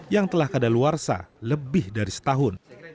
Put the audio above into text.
yang telah ke dalawarsa lebih dari setahun